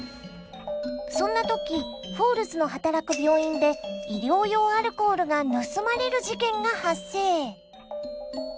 そんな時フォールズの働く病院で医療用アルコールが盗まれる事件が発生。